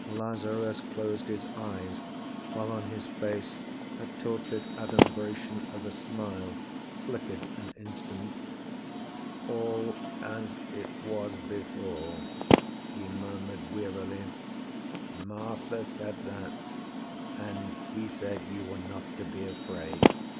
Lazarus closed his eyes while on his face A tortured adumbration of a smile Flickered an instant. "All as it was before," He murmured wearily. "Martha said that; And He said you were not to be afraid